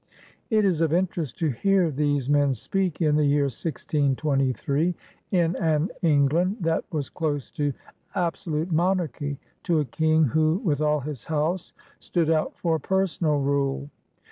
It is of interest to hear these men speak, in the year 1623, in an England that was dose to absolute monarchy, to a King who with all his house stood out for personal rule.